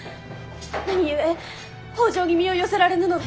何故北条に身を寄せられぬので。